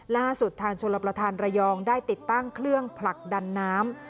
ล่าสุดทางชลประธานระยองได้ติดตั้งเครื่องผลักดันน้ำ